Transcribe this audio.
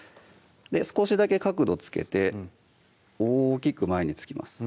少しだけ角度つけて大きく前に突きます